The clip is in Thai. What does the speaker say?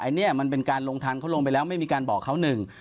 อันนี้มันเป็นการลงทันเขาลงไปแล้วไม่มีการบอกเขาหนึ่ง